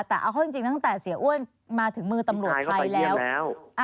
แต่เอาเข้าจริงตั้งแต่เสียอ้วนมาถึงมือตำรวจไทยแล้ว